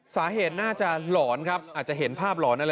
สาเหตุน่าจะหลอนครับอาจจะเห็นภาพหลอนอะไร